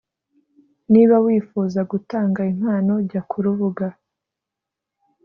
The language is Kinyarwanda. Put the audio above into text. Niba wifuza gutanga impano jya ku rubuga